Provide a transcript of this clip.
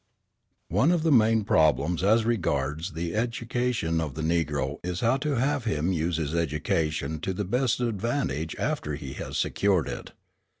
One of the main problems as regards the education of the Negro is how to have him use his education to the best advantage after he has secured it.